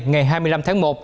ngày hai mươi năm tháng một